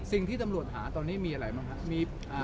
สิ่งที่ตำรวจหาตอนนี้มีอะไรหรือให้ทุกคนอาจจะถาม